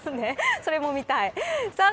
それも見たい。